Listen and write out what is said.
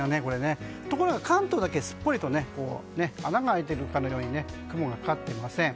ところが関東だけすっぽりと穴が開いてるかのように雲がかかっていません。